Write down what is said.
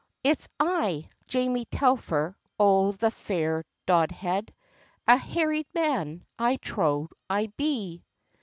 "It's I, Jamie Telfer o' the fair Dodhead, A harried man I trow I be.